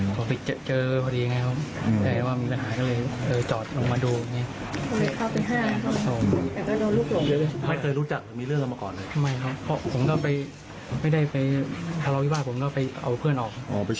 ก็ไปเอาเพื่อนออก